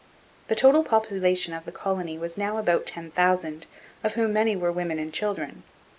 The total population of the colony was now about ten thousand, of whom many were women and children.